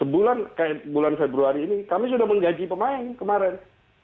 bulan kayak bulan februari ini kami sudah menggaji pemain kemarin